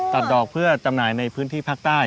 ดอกเพื่อจำหน่ายในพื้นที่ภาคใต้